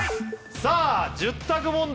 さあ１０択問題